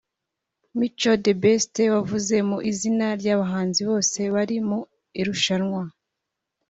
Mico The Best wavuze mu izina ry’abahanzi bose bari mu irushanwa